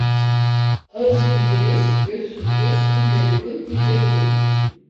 Ağız büzülür, göz süzülür, ille burun, ille burun.